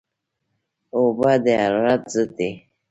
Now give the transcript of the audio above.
اوبه د حرارت ضد دي